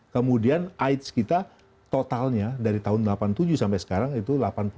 kemudian aids kita totalnya dari tahun delapan puluh tujuh sampai sekarang itu delapan puluh enam tujuh ratus delapan puluh